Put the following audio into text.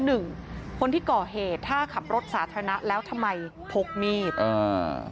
หนึ่งคนที่ก่อเหตุถ้าขับรถสาธารณะแล้วทำไมพกมีดอ่า